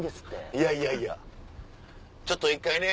いやいやいやちょっと１回ね。